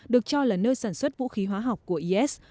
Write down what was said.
được cho là nơi sản xuất vũ khí hóa học của is